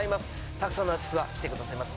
たくさんのアーティストが来て下さいます。